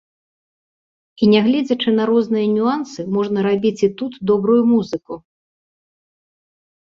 І нягледзячы на розныя нюансы можна рабіць і тут добрую музыку.